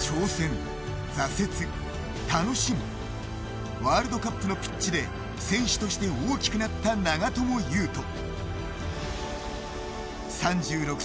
挑戦、挫折、楽しむワールドカップのピッチで選手として大きくなった長友佑都。